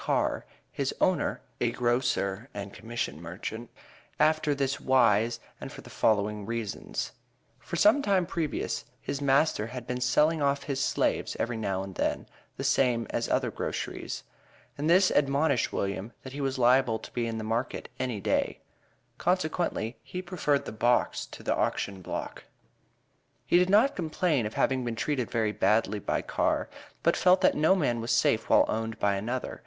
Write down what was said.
Carr, his owner (a grocer and commission merchant), after this wise, and for the following reasons: For some time previous his master had been selling off his slaves every now and then, the same as other groceries, and this admonished William that he was liable to be in the market any day; consequently, he preferred the box to the auction block. He did not complain of having been treated very badly by Carr, but felt that no man was safe while owned by another.